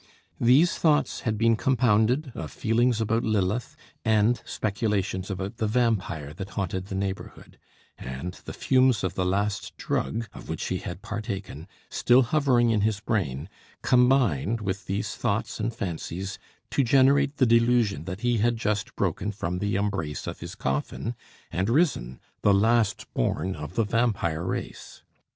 These thoughts had been compounded of feelings about Lilith, and speculations about the vampire that haunted the neighbourhood; and the fumes of the last drug of which he had partaken, still hovering in his brain, combined with these thoughts and fancies to generate the delusion that he had just broken from the embrace of his coffin, and risen, the last born of the vampire race.